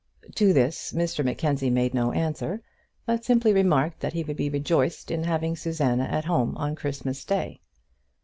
To this Mr Mackenzie made no answer, but simply remarked that he would be rejoiced in having Susanna at home on Christmas Day.